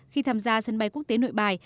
khi tham gia sân bay quốc tế nội bài